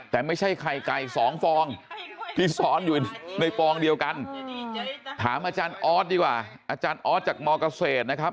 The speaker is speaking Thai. แต่ไม่ใช่ไข่ไก่๒ฟองที่ซ้อนอยู่ในฟองเดียวกันถามอาจารย์ออสดีกว่าอาจารย์ออสจากมเกษตรนะครับ